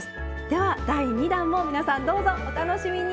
では第２弾も皆さんどうぞお楽しみに。